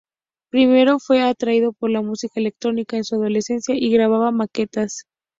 Primero fue atraído por la música electrónica en su adolescencia y grababa maquetas.